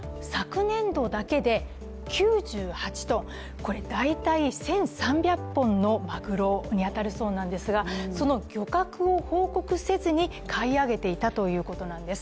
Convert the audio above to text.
これは大体１３００本のまぐろに当たるそうなんですがその漁獲を報告せずに買い上げていたということなんです。